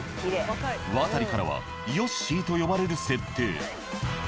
ワタリからはヨッシーと呼ばれる設定。